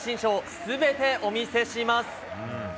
全てお見せします。